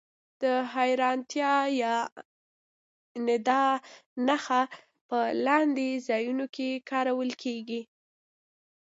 د حېرانتیا یا ندا نښه په لاندې ځایونو کې کارول کیږي.